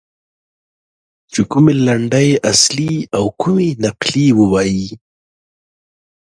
چې کومې لنډۍ اصلي او کومې نقلي ووایي.